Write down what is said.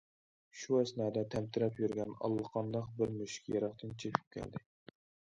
شۇ ئەسنادا تەمتىرەپ يۈرگەن ئاللىقانداق بىر مۈشۈك يىراقتىن چېپىپ كەلدى.